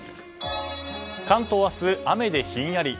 関東は明日、雨でひんやり。